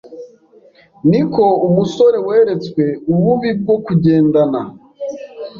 ni ko umusore weretswe ububi bwo kugendana